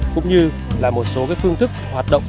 cũng như là một số phương thức hoạt động